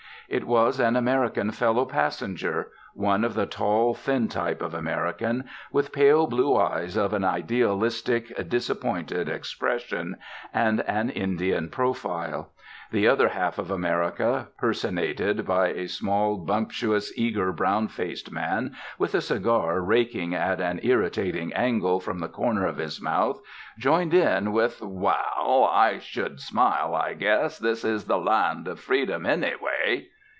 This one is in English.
It was an American fellow passenger, one of the tall, thin type of American, with pale blue eyes of an idealistic, disappointed expression, and an Indian profile. The other half of America, personated by a small, bumptious, eager, brown faced man, with a cigar raking at an irritating angle from the corner of his mouth, joined in with, "Wal! I should smile, I guess this is the Land of Freedom, anyway."